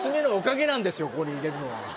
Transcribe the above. ここにいれるのは。